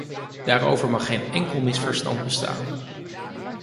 Daarover mag geen enkel misverstand bestaan.